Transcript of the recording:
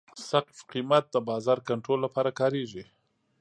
سقف قیمت د بازار کنټرول لپاره کارېږي.